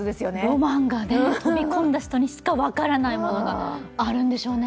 ロマンがね、飛び込んだ人にしか分からないものがあるんでしょうね。